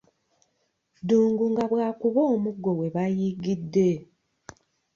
Ddungu nga bw'akuba omuggo we bayigidde.